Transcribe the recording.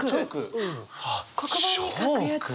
黒板に書くやつ。